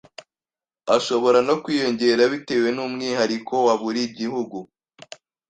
ashobora no kwiyongera bitewe n’umwihariko wa buri gihugu,